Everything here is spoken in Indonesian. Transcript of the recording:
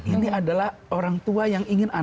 ini adalah orang tua yang ingin anak anak